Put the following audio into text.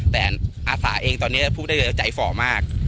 แต่อาสาเองตอนนี้ผู้ได้เงินจะจ่ายฝ่อมาก